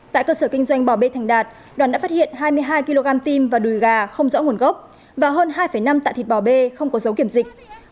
tại cơ sở kinh doanh bò bê thành đạt đoàn đã phát hiện hai mươi hai kg tim và đùi gà không rõ nguồn gốc và hơn hai năm tạ thịt bò bê không có dấu kiểm dịch